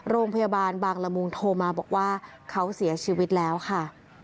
โรงพยาบาลบางละมุงโทรมาบอกว่าเขาเสียชีวิตแล้วค่ะ